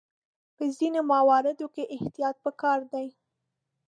په ځینو مواردو کې احتیاط پکار دی.